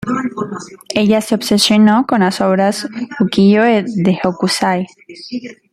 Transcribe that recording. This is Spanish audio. Ella se obsesionó con las obras "ukiyo-e" de Hokusai.